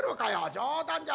冗談じゃ。